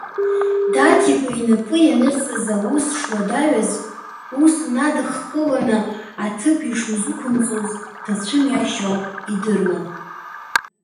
Даҭикәа инапы ианырҵаз аус шуадаҩыз, ус унадыххыланы аҭыԥ ишузықәымҵоз дацәымҩашьо идыруан.